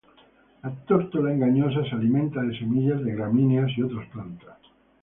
La tórtola engañosa se alimenta de semillas de gramíneas y otras plantas.